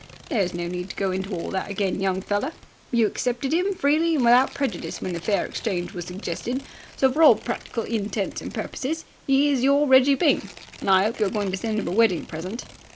"There's no need to go into all that again, young feller. You accepted 'im freely and without prejudice when the fair exchange was suggested, so for all practical intents and purposes he is your Reggie Byng. I 'ope you're going to send him a wedding present."